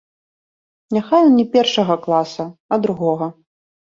Няхай ён не першага класа, а другога.